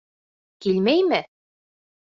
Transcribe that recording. Килмәйме?